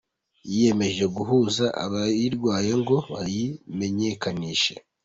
yiyemeje guhuza abayirwaye ngo bayimenyekanishe